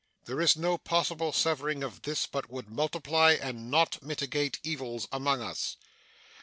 There is no possible severing of this but would multiply and not mitigate evils among us.